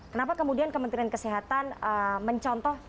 kenapa kemudian kementerian kesehatan mencontoh